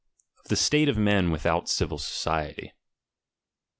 '^P THE STATE OF MEN WITHOUT CIVIL SOCIETY.